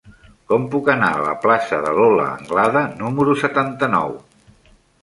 Com puc anar a la plaça de Lola Anglada número setanta-nou?